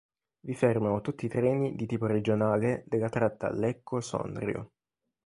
Vi fermano tutti i treni di tipo Regionale della tratta Lecco-Sondrio.